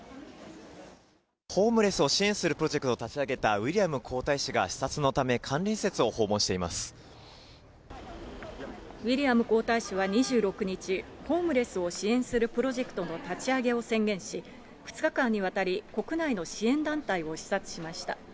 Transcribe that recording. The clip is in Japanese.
ホームレスを支援するプロジェクトを立ち上げたウィリアム皇太子が、視察のため、ウィリアム皇太子は２６日、ホームレスを支援するプロジェクトの立ち上げを宣言し、２日間にわたり、国内の支援団体を視察しました。